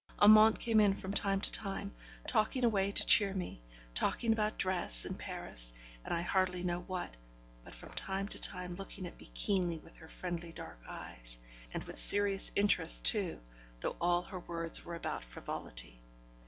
Amante came in from time to time, talking away to cheer me talking about dress and Paris, and I hardly know what, but from time to time looking at me keenly with her friendly dark eyes, and with serious interest, too, though all her words were about frivolity.